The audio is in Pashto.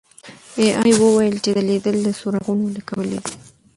اې ای وویل چې ځلېدل د څراغونو له کبله دي.